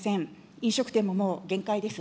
飲食店ももう限界です。